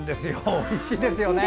おいしいですよね。